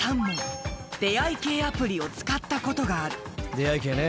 出会い系ね。